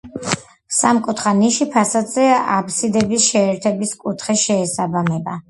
სამკუთხა ნიში ფასადზე აფსიდების შეერთების კუთხეს შეესაბამება.